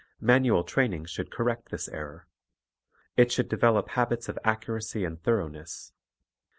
Manual training should correct this error. It should develop habits of accuracy and thoroughness.